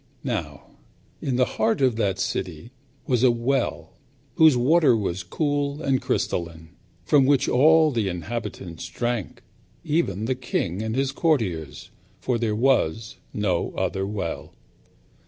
Now, in the heart of that city was a well, whose water was cool and crystalline, from which all the inhabitants drank, even the king and his courtiers; for there was no other well.